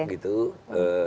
kita lihat partai partai oke